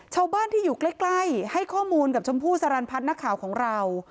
ชาวบ้านที่อยู่ใกล้ให้ข้อมูลกับชมพู่สรรพัฒน์นักข่าวของเรา